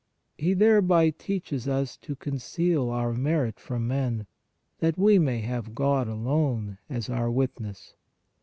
He thereby teaches us to conceal our merit from men, that we may have God alone as our witness.